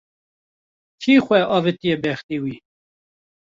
Kî xwe avitiye bextê wî